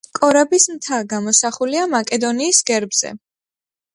კორაბის მთა გამოსახულია მაკედონიის გერბზე.